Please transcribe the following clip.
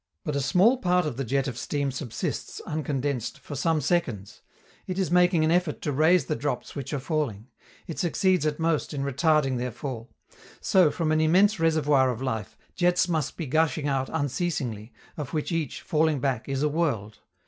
But a small part of the jet of steam subsists, uncondensed, for some seconds; it is making an effort to raise the drops which are falling; it succeeds at most in retarding their fall. So, from an immense reservoir of life, jets must be gushing out unceasingly, of which each, falling back, is a world.